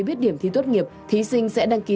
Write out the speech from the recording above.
biết điểm thi tốt nghiệp thí sinh sẽ đăng ký